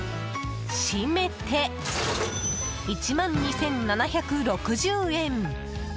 しめて１万２７６０円。